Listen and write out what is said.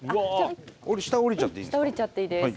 俺下下りちゃっていいですか？